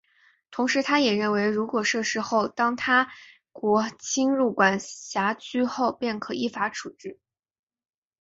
同时他也认为如果设市后当他国侵入管辖区后便可依法处理。